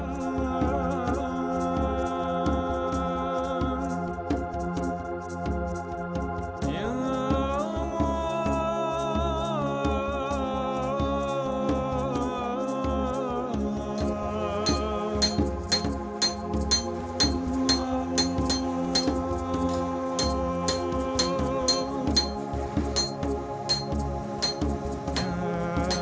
kujang pusaka kehormatan tanah